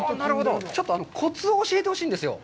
ちょっとコツを教えてほしいんですよ。